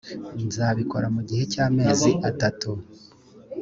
nzabikora mu gihe cy amezi atatu .